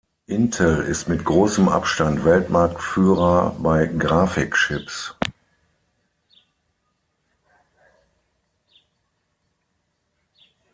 Intel ist mit großem Abstand Weltmarktführer bei Grafikchips.